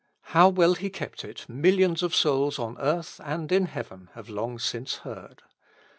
How well he kept it millions of souls on earth and in Heaven have long since heard.